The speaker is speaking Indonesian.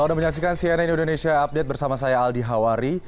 anda menyaksikan cnn indonesia update bersama saya aldi hawari